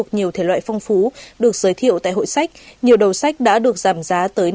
phong phú được giới thiệu tại hội sách nhiều đầu sách đã được giảm giá tới năm mươi